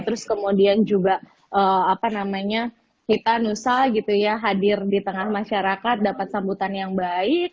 terus kemudian juga apa namanya kita nusa gitu ya hadir di tengah masyarakat dapat sambutan yang baik